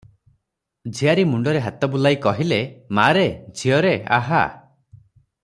ଝିଆରୀ ମୁଣ୍ତରେ ହାତ ବୁଲାଇ କହିଲେ, "ମା'ରେ, ଝିଅରେ, ଆହା!